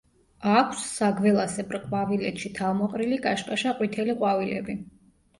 აქვს საგველასებრ ყვავილედში თავმოყრილი კაშკაშა ყვითელი ყვავილები.